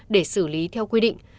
để xử lý theo quy định